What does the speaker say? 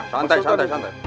santai santai santai